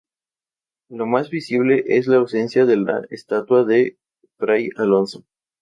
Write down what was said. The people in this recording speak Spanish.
Lo más visible es la ausencia de la estatua de Fray Alonso.